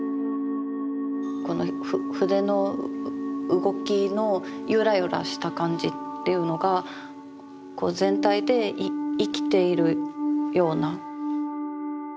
この筆の動きのゆらゆらした感じっていうのがこう全体で生きているような。